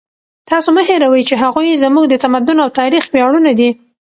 تاسو مه هېروئ چې هغوی زموږ د تمدن او تاریخ ویاړونه دي.